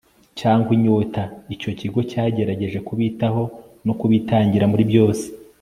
cyangwa inyota icyo kigo cyagerageje kubitaho no kubitangira muri byose